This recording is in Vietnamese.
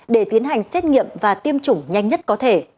để tiến hành xét nghiệm và tiêm chủng nhanh nhất có thể